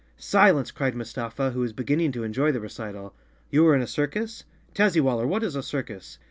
"Silence!" cried Mustafa, who was beginning to en¬ joy the recital. "You were in a circus? Tazzywaller, what is a circus?"